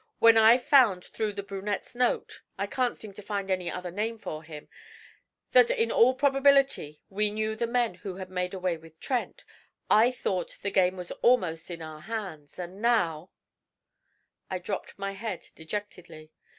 When I found through the brunette's note I can't seem to find any other name for him that in all probability we knew the men who had made away with Trent, I thought the game was almost in our hands, and now ' I dropped my head dejectedly.